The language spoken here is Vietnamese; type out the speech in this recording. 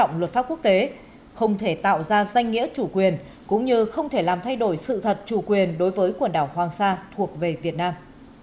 giành nghĩa chủ quyền cũng như không thể làm thay đổi sự thật chủ quyền đối với quần đảo hoàng sa thuộc về việt nam